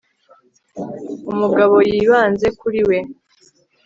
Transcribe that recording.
umugabo yibanze kuri we